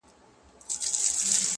د غزلونو ربابونو مېنه-